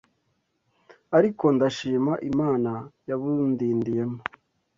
ariko ndashima Imana yabundindiyemo